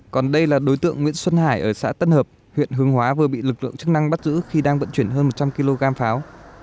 còn đây là đối tượng nguyễn xuân hải ở xã tân hợp huyện hương hóa vừa bị lực lượng chức năng bắt giữ khi đang vận chuyển hơn một trăm linh kg pháo